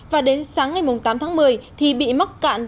và đến sáng ngày tám tháng một mươi thì bị mắc cạn